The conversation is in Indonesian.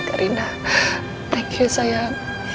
karinda terima kasih sayang